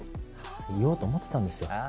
言おうと思ってたんですよ。